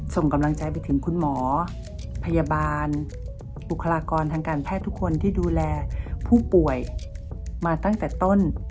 ส่งกำลังใจไปถึงคุณหมอพยาบาลบุคลากรทางการแพทย์ทุกคนที่ดูแลผู้ป่วยมาตั้งแต่ต้น